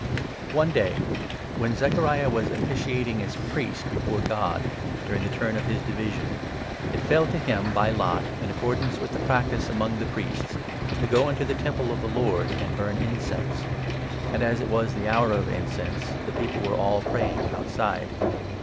One day, when Zechariah was officiating as priest before 8 God, during the turn of his Division, it fell to him by lot, in 9 accordance with the practice among the priests, to go into the Temple of the Lord and burn incense ; and, as it was the Hour 10 of Incense, the people were all praying outside.